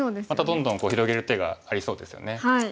またどんどん広げる手がありそうですよね。